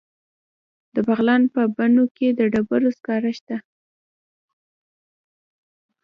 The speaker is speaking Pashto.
د بغلان په بنو کې د ډبرو سکاره شته.